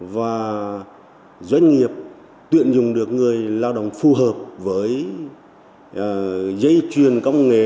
và doanh nghiệp tuyện dùng được người lao động phù hợp với dây chuyền công nghệ